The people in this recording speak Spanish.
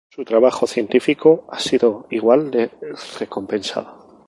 Su trabajo científico ha sido igual de recompensado.